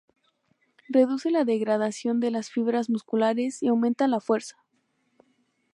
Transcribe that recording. Reduce la degradación de las fibras musculares y aumenta la fuerza.